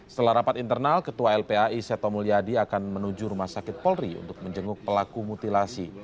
setelah rapat internal ketua lpai seto mulyadi akan menuju rumah sakit polri untuk menjenguk pelaku mutilasi